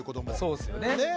そうですよね。ね！